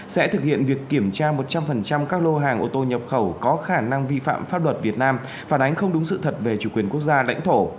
sẽ thực hiện việc kiểm tra một trăm linh các lô hàng ô tô nhập khẩu có khả năng vi phạm pháp luật việt nam phản ánh không đúng sự thật về chủ quyền quốc gia lãnh thổ